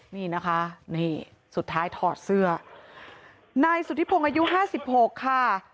นี่นะคะนี่สุดท้ายถอดเสื้อนายสุธิพงศ์อายุห้าสิบหกค่ะ